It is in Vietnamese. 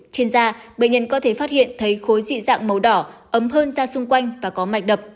trên da bệnh nhân có thể phát hiện thấy khối dị dạng màu đỏ ấm hơn ra xung quanh và có mạch đập